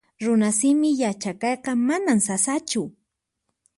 Runasimi yachaqayqa manan sasachu